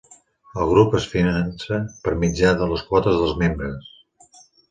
El grup es finança per mitjà de les quotes dels membres.